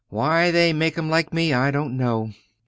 Why they make 'em like me I don't know!"